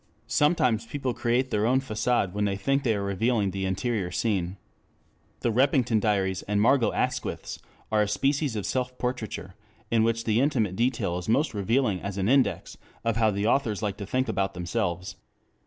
Sometimes people create their own facade when they think they are revealing the interior scene. The Repington diaries and Margot Asquith's are a species of self portraiture in which the intimate detail is most revealing as an index of how the authors like to think about themselves.